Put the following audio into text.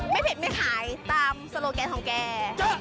เผ็ดไม่ขายตามโซโลแกนของแก